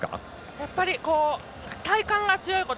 やっぱり体幹が強いこと。